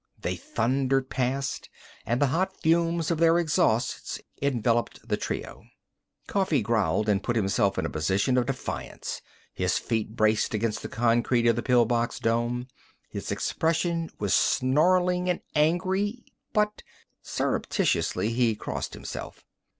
They thundered past, and the hot fumes of their exhausts enveloped the trio. Coffee growled and put himself in a position of defiance, his feet braced against the concrete of the pill box dome. His expression was snarling and angry but, surreptitiously, he crossed himself.